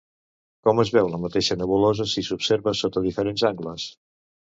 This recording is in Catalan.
Com es veu la mateixa nebulosa si s'observa sota diferents angles?